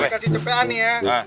nih kasih cupean nih ya